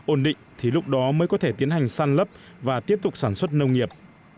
ổn định thì lúc đó mới có thể tiến hành săn lấp và tiếp tục sản xuất nông nghiệp